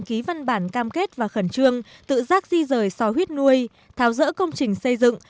ký văn bản cam kết và khẩn trương tự giác di rời so huyết nuôi tháo rỡ công trình xây dựng